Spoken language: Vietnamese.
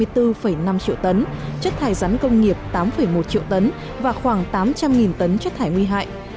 năm triệu tấn chất thải rắn công nghiệp tám một triệu tấn và khoảng tám trăm linh tấn chất thải nguy hại